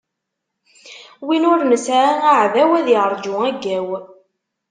Win ur nesɛi aɛdaw, ad yeṛǧu aggaw!